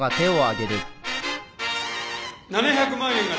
７００万円！